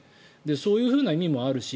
そういう意味もあるし